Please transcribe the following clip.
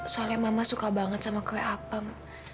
soalnya mama suka banget sama kue apem